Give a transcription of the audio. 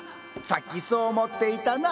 さっきそう思っていたな？